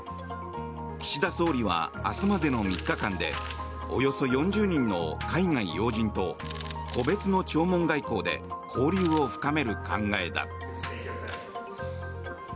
岸田総理は明日までの３日間でおよそ４０人の海外要人と個別の弔問外交で交流を深める考えだ。